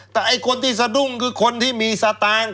แต่ไอ้คนที่สะดุ้งคือคนที่มีสตางค์